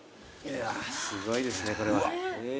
すごいですねこれは。